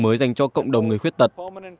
điều mới dành cho cộng đồng người khuyết tật